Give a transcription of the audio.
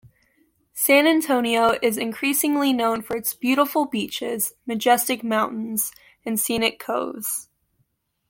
San Antonio is increasingly known for its beautiful beaches, majestic mountains and scenic coves.